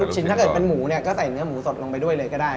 ถ้าเกิดเป็นหมูเนี่ยก็ใส่เนื้อหมูสดลงไปด้วยเลยก็ได้